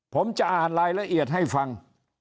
ผมจะอ่านรายละเอียดให้ฟัง